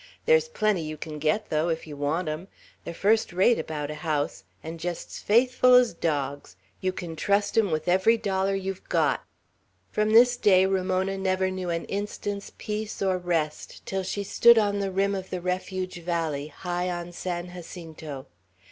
There's plenty you can get, though, if you want 'em. They're first rate about a house, and jest's faithful's dogs. You can trust 'em with every dollar you've got." From this day, Ramona never knew an instant's peace or rest till she stood on the rim of the refuge valley, high on San Jacinto.